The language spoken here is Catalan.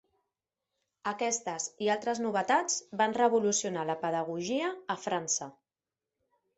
Aquestes i altres novetats van revolucionar la pedagogia a França.